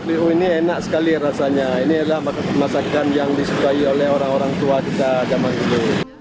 keliru ini enak sekali rasanya ini adalah masakan yang disukai oleh orang orang tua kita zaman dulu